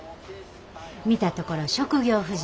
見たところ職業婦人や。